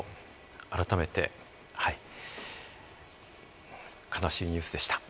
改めて、はい、悲しいニュースでした。